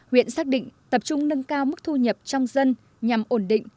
huyện xác định tập trung nâng cao mức thu nhập trong dân nhằm ổn định